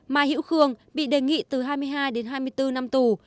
mai hữu khương bị đề nghị từ hai mươi hai hai mươi bốn năm tù